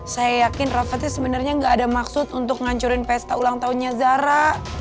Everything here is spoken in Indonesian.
saya yakin rafa itu sebenernya gak ada maksud untuk ngancurin pesta ulang tahunnya zara